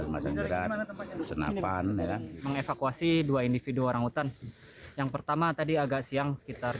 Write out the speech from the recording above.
masyarakat senapan ya mengevakuasi dua individu orangutan yang pertama tadi agak siang sekitar